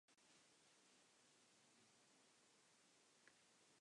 While in space, he took many photographs of Earth which he shared via Twitter.